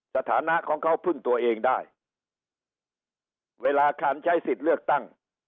สถานะของเขาพึ่งตัวเองได้เวลาการใช้สิทธิ์เลือกตั้ง